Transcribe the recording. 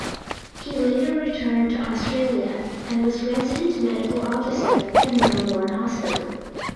He later returned to Australia and was Resident Medical Officer at Melbourne Hospital.